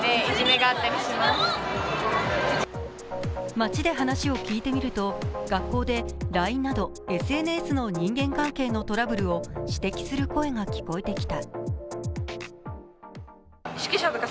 街で話を聞いてみると学校でＬＩＮＥなどＳＮＳの人間関係のトラブルを指摘する声が聞こえてきた。